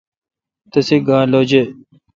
تسے گا لوجے°۔